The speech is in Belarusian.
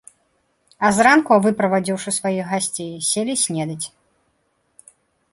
А зранку, выправадзіўшы сваіх госцей, селі снедаць.